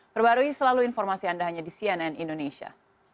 perbarui selalu informasi anda hanya di cnn indonesia